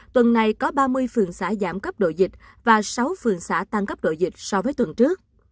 tuần này có ba mươi phường xã giảm cấp độ dịch và sáu phường xã tăng cấp độ dịch so với tuần trước